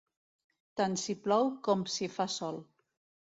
Tant si plou com si fa sol.